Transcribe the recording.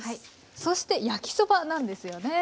そして焼きそばなんですよね。